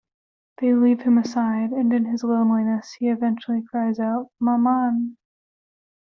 They leave him aside, and in his loneliness, he eventually cries out "Maman".